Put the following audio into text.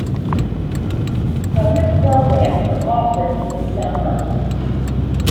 Public programs are offered in the summer.